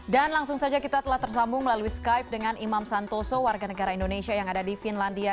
dan langsung saja kita telah tersambung melalui skype dengan imam santoso warga negara indonesia yang ada di finlandia